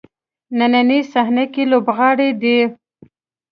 نننۍ صحنه کې لوبغاړی دی.